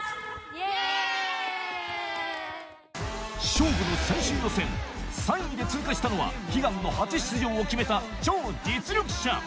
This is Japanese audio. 勝負の最終予選３位で通過したのは悲願の初出場を決めた超実力者